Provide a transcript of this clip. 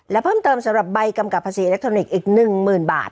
และเพิ่มเติมสำหรับใบกำกับภาษีอิเล็กทรอนิกส์อีก๑๐๐๐บาท